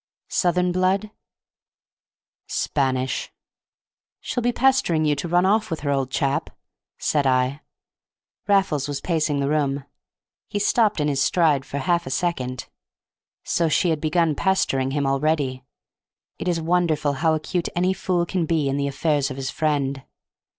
"Southern blood?" "Spanish." "She'll be pestering you to run off with her, old chap," said I. Raffles was pacing the room. He stopped in his stride for half a second. So she had begun pestering him already! It is wonderful how acute any fool can be in the affairs of his friend.